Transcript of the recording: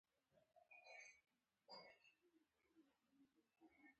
ډاکټر میرویس مو موټرواني کوله.